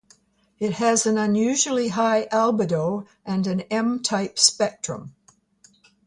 It has an unusually high albedo and an M-type spectrum.